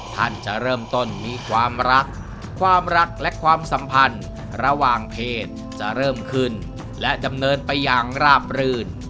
ท่านจะเริ่มต้นมีความรักความรักและความสัมพันธ์ระหว่างเพศจะเริ่มขึ้นและดำเนินไปอย่างราบรื่น